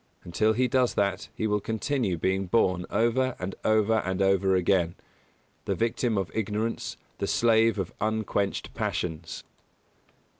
Until he does that he will continue being born over and over and over again the victim of ignorance, the slave of unquenched passions.